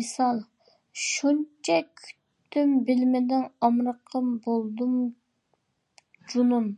مىسال: شۇنچە كۈتتۈم بىلمىدىڭ ئامرىقىم بولدۇم جۇنۇن.